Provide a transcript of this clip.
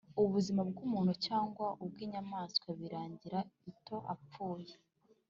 Ubuzima bw umuntu cyangwa ubw inyamaswa birangira ito apfuye